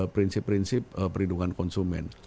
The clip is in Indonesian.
prinsip prinsip perlindungan konsumen